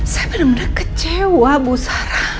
saya benar benar kecewa bu sarah